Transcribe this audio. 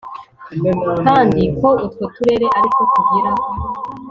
kandi ko utwo turere ari two tugira